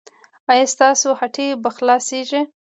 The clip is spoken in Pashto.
ایا ستاسو هټۍ به خلاصیږي؟